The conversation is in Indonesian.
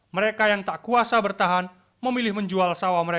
mereka yang tak kuasa bertahan memilih menjual sawah mereka